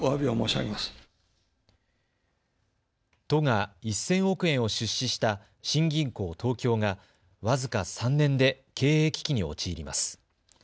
都が１０００億円を出資した新銀行東京が僅か３年で経営危機に陥ります。